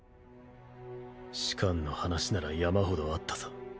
士官の話なら山ほどあったさ。